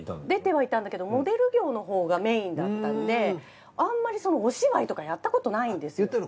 出てはいたんだけどモデル業のほうがメーンだったんであんまりお芝居とかやったことないんですよ。